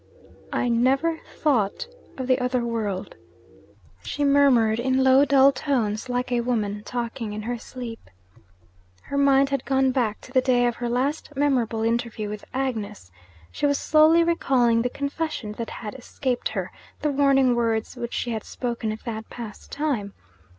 'I never thought of the other world,' she murmured, in low dull tones, like a woman talking in her sleep. Her mind had gone back to the day of her last memorable interview with Agnes; she was slowly recalling the confession that had escaped her, the warning words which she had spoken at that past time.